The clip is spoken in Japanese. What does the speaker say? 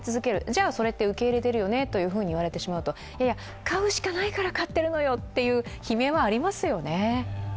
じゃ、それって受け入れてるよねと言われてしまうと、いやいや、買うしかないから買ってるのよという悲鳴はありますよね。